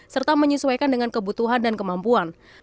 serta menyesuaikan dengan kebutuhan dan kemampuan